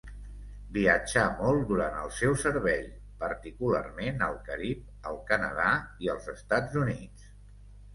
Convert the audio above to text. Viatjà molt durant el seu servei, particularment al Carib, el Canadà i els Estats Units.